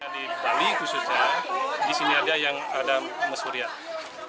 di bali khususnya disini ada yang ada mesuryak